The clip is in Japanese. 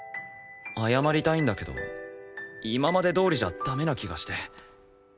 謝りたいんだけど今までどおりじゃダメな気がして。